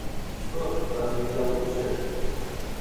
Что ж, разве я лучше?